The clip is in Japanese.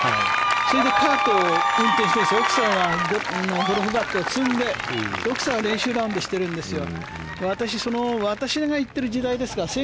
それでカートを運転して奥さんはゴルフバッグを積んで、奥さんは練習ラウンドしてるんですよ。